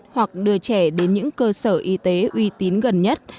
hoặc đưa trẻ đến những cơ sở y tế uy tín gần nhất